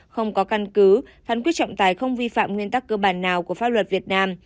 không có căn cứ phán quyết trọng tài không vi phạm nguyên tắc cơ bản nào của pháp luật việt nam